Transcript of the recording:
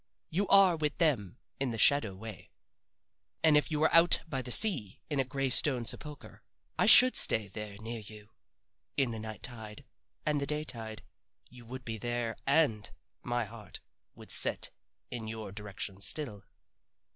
You are with them in the shadow way. And if you were out by the sea in a gray stone sepulcher I should stay there near you, in the night tide and the day tide. You would be there and my heart would set in your direction still."